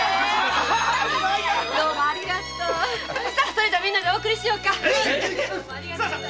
それじゃみんなでお送りしようか。